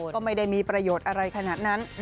ก็ไม่ได้มีประโยชน์อะไรขนาดนั้น